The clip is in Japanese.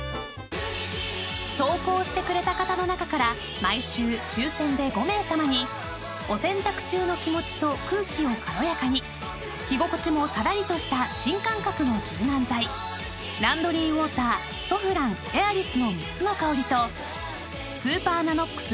［投稿してくれた方の中から毎週抽選で５名さまにお洗濯中の気持ちと空気を軽やかに着心地もさらりとした新感覚の柔軟剤ランドリーウォーターソフランＡｉｒｉｓの３つの香りとスーパーＮＡＮＯＸ